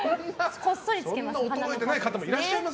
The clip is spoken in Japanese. こっそりつけます。